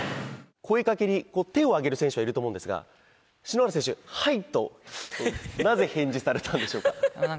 声かけに、手を上げる選手はいると思うんですが、篠原選手、はいと、なぜ返事されたんですか。